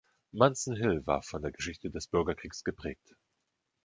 Munson Hill war von der Geschichte des Bürgerkriegs geprägt.